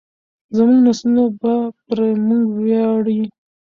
زموږ نسلونه به پر موږ وویاړي.